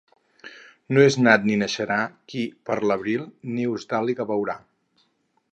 No és nat ni naixerà qui per l'abril nius d'àliga veurà.